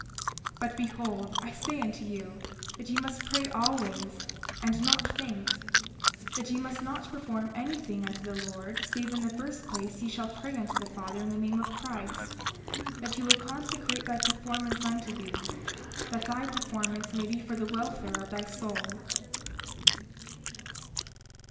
32:9 But behold, I say unto you that ye must pray always, and not faint; that ye must not perform any thing unto the Lord save in the first place ye shall pray unto the Father in the name of Christ, that he will consecrate thy performance unto thee, that thy performance may be for the welfare of thy soul.